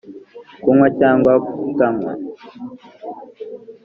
kunywa cyangwa kutanywa